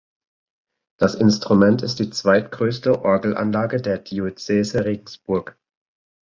Das Instrument ist die zweitgrößte Orgelanlage der Diözese Regensburg.